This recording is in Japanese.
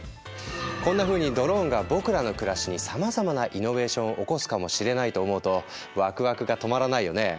こんなふうにドローンが僕らの暮らしにさまざまなイノベーションを起こすかもしれないと思うとワクワクが止まらないよね。